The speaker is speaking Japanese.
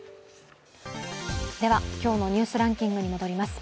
では、今日の「ニュースランキング」に戻ります。